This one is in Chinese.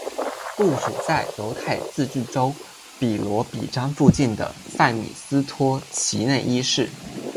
部署在犹太自治州比罗比詹附近的塞米斯托齐内伊市。